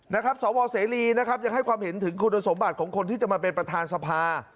นะครับสวเสรีนะครับยังให้ความเห็นถึงคุณสมบัติของคนที่จะมาเป็นประธานสภา